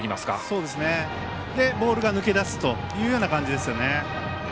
それで、ボールが抜けだすというような感じですよね。